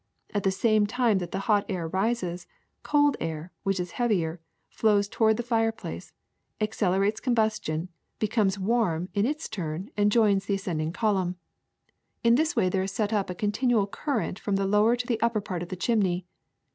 At the same time that the hot air rises, cold air, which is heavier, flows toward the fireplace, accelerates combustion, becomes warm in 13g THE SECRET OF EVERYDAY THINGS its turn, and joins the ascending column. In this way there is set up a continual current from the lower to the upper part of the chimney.